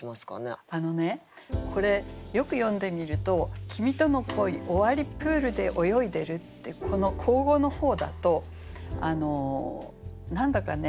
あのねこれよく読んでみると「きみとの恋終わりプールで泳いでる」ってこの口語の方だと何だかね